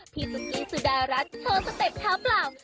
สุกี้สุดารัฐโชว์สเต็ปเท้าเปล่า